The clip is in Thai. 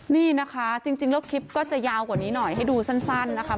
นี่นะคะจริงแล้วคลิปก็จะยาวกว่านี้หน่อยให้ดูสั้นนะคะ